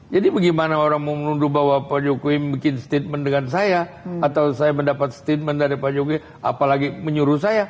jadi bagaimana orang mau menunduk bahwa pak jokowi bikin statement dengan saya atau saya mendapat statement dari pak jokowi apalagi menyuruh saya